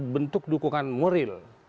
bentuk dukungan muril